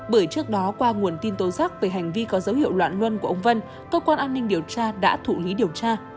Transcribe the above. bởi trước đó qua nguồn tin tố giác về hành vi có dấu hiệu loạn luân của ông vân cơ quan an ninh điều tra đã thụ lý điều tra